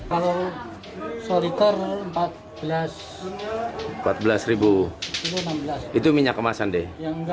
kalau satu liter rp empat belas itu minyak kemasan deh